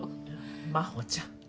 真帆ちゃん。